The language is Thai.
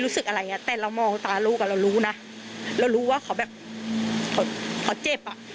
รู้สึกอะไรอย่างเงี้ยแต่เรามองตาลูกอ่ะเรารู้นะเรารู้ว่าเขาแบบเขาเจ็บอ่ะ